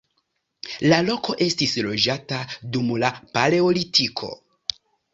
La loko estis loĝata dum la paleolitiko.